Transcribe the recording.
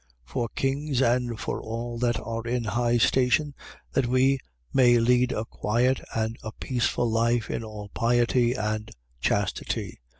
For kings and for all that are in high station: that we may lead a quiet and a peaceable life in all piety and chastity.